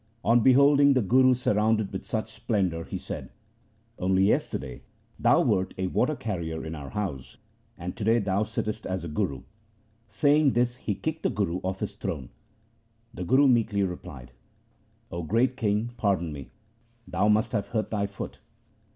On beholding the Guru surrounded with such splendour he said, ' Only yesterday thou wert a water carrier in our house, and to day thou sittest as a Guru.' Saying this he kicked the Guru off his throne. The Guru meekly replied, ' O great king, pardon me. Thou must have hurt thy foot.'